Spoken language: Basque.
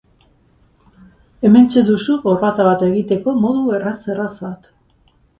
Hementxe duzu gorbata bat egiteko modu erraz-erraz bat.